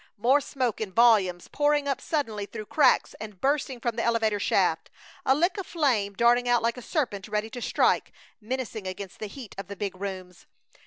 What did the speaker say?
More smoke in volumes pouring up suddenly through cracks and bursting from the elevator shaft; a lick of flame darting out like a serpent ready to strike, menacing against the heat of the big rooms.